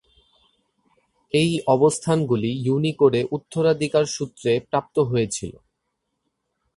এই অবস্থানগুলি ইউনিকোডে উত্তরাধিকারসূত্রে প্রাপ্ত হয়েছিল।